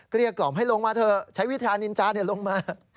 เรียกกล่อมให้ลงมาเถอะใช้วิธานินจาลงมา